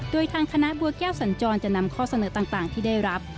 โดยทางคณะบัวแก้วสัญจรจะนำข้อเสนอต่างที่ได้รับ